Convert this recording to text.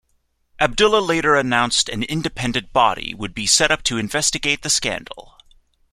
Abdullah later announced an independent body would be set up to investigate the scandal.